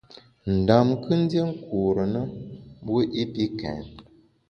Ndam kù ndié nkure na mbu i pi kèn.